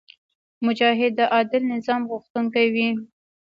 مجاهد د عادل نظام غوښتونکی وي.